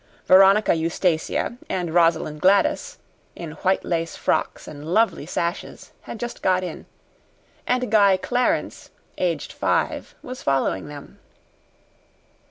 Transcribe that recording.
Veronica Eustacia and Rosalind Gladys, in white lace frocks and lovely sashes, had just got in, and Guy Clarence, aged five, was following them.